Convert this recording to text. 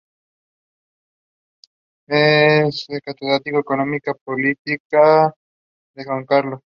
Es catedrático de Economía Política en la Universidad Rey Juan Carlos de Madrid.